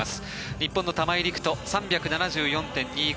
日本の玉井陸斗３７４．２５